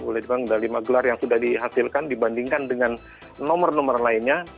di nomor ganda putra ini kebanyakan gelar gelar yang sudah dihasilkan dibandingkan dengan nomor nomor lainnya